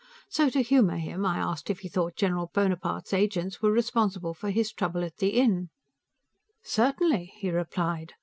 So, to humor him, I asked him if he thought General Bonaparte's agents were responsible for his trouble at the inn. "Certainly," he replied.